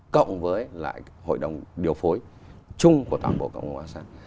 cộng với lại hội đồng điều phối chung của toàn bộ cộng hòa asean